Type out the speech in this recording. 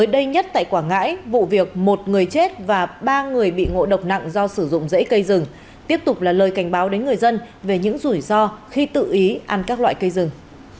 mới đây nhất tại quảng ngãi vụ việc một người chết và ba người bị ngộ độc nặng do sử dụng dễ cây rừng tiếp tục là lời cảnh báo đến người dân về những rủi ro khi tự ý ăn các loại cây rừng